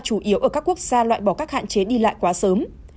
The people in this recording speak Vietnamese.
chủ yếu ở các quốc gia loại bỏ các hạn chế đi lại quá sớm